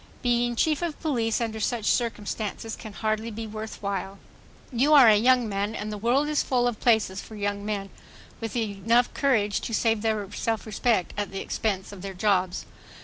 Being Chief of Police under such circumstances can hardly be worth while. You are a young man and the world is full of places for young men with courage enough to save their self respect at the expense of their jobs.